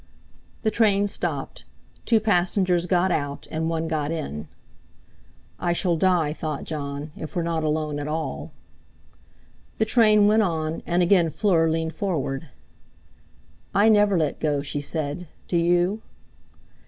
The train stopped; two passengers got out, and one got in. 'I shall die,' thought Jon, 'if we're not alone at all.' The train went on; and again Fleur leaned forward. "I never let go," she said; "do you?"